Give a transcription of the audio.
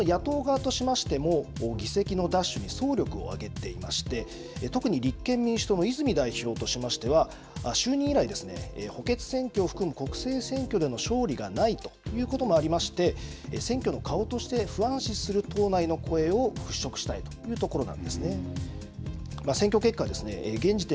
一方、野党側としましても議席の奪取に総力を挙げていまして特に立憲民主党の泉代表としましては就任以来ですね補欠選挙を含む国政選挙での勝利がないということもありまして選挙の顔として不安視する党内の声を払拭したいというところなんですね。